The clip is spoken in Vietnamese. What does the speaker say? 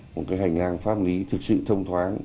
một cái hành lang pháp lý thực sự thông thoáng